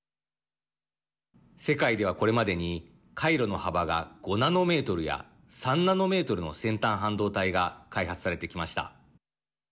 世界では、これまでに回路の幅が５ナノメートルや３ナノメートルの先端半導体が開発されてきました。